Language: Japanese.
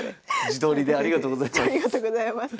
自撮りでありがとうございます。